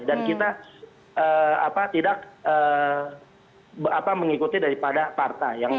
dan kita tidak mengikuti daripada partai